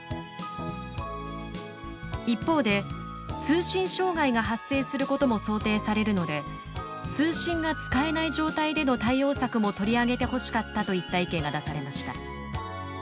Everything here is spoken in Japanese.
一方で「通信障害が発生することも想定されるので通信が使えない状態での対応策も取り上げてほしかった」といった意見が出されました。